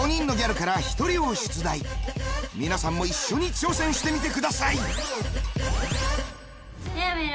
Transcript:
皆さんも一緒に挑戦してみてください。